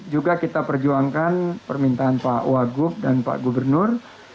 juga kita perjuangkan permintaan pak wagub dan pak gubernur